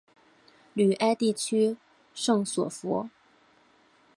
吕埃地区圣索弗。